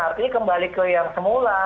artinya kembali ke yang semula